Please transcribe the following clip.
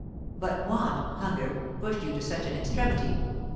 "But want hunger pushed you to such an extremity?"